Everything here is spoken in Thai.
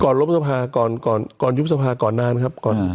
ก่อนรบสภาก่อนยุบสภาก่อนนานครับ